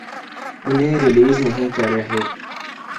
انہیں ریلیز نہیں کر رہے۔